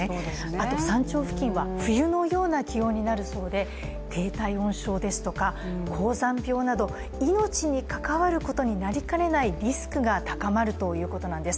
あと山頂付近は冬のような気温になるそうで低体温症ですとか、高山病など命に関わることになりかねないリスクが高まるということなんです。